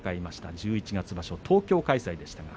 十一月場所、東京開催でした。